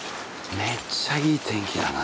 めっちゃいい天気やな